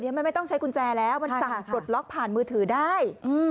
มันไม่ต้องใช้กุญแจแล้วมันสั่งปลดล็อกผ่านมือถือได้